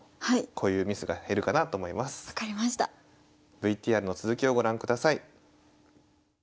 ＶＴＲの続きをご覧ください。